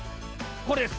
これです！